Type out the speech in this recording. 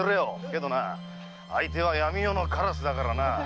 けど相手は闇夜の鴉だからな。